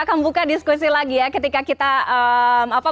akan buka diskusi lagi ya ketika kita